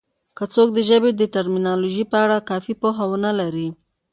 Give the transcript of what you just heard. که څوک د ژبې د ټرمینالوژي په اړه کافي پوهه ونه لري